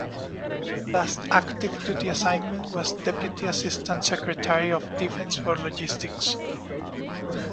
His last active duty assignment was Deputy Assistant Secretary of Defense for Logistics.